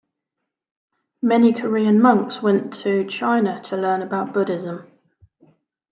Many Korean monks went to China to learn about Buddhism.